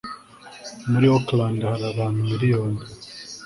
muri auckland hari abantu miliyoni